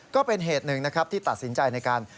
ก็เป็นเหตุหนึ่งนะครับที่ตัดสินใจในการ